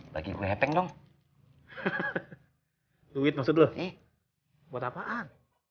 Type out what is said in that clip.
lagi keping dong duit masuk dulu buat apaan